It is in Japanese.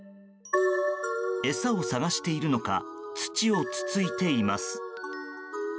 餌を探しているのか土をつついています。